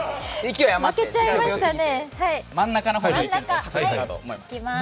負けちゃいましたね。